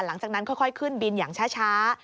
หลังจากนั้นค่อยขึ้นบินอย่างช้า